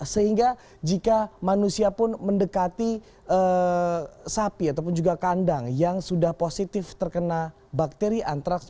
sehingga jika manusia pun mendekati sapi ataupun juga kandang yang sudah positif terkena bakteri antraks